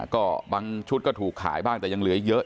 ก็บางชุดก็ถูกขายบ้างแต่ยังเหลืออีกเยอะ